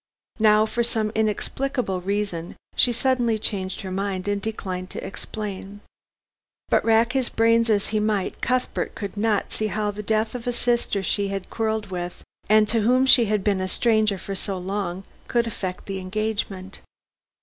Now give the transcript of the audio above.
Now, for some inexplicable reason, she suddenly changed her mind and declined to explain. But rack his brains as he might, Cuthbert could not see how the death of a sister she had quarrelled with, and to whom she had been a stranger for so long, could affect the engagement.